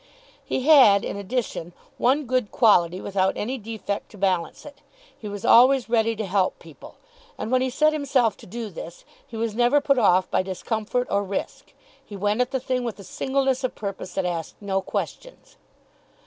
He had, in addition, one good quality without any defect to balance it. He was always ready to help people. And when he set himself to do this, he was never put off by discomfort or risk. He went at the thing with a singleness of purpose that asked no questions.